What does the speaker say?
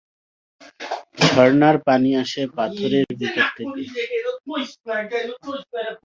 ঝর্ণার পানি আসে পাথরের ভেতর থেকে।